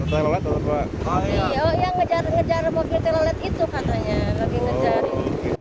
oh iya ngejar mobil telolet itu katanya